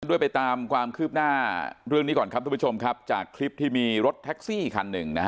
ด้วยไปตามความคืบหน้าเรื่องนี้ก่อนครับทุกผู้ชมครับจากคลิปที่มีรถแท็กซี่คันหนึ่งนะฮะ